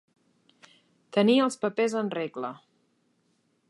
Tenir els papers en regla.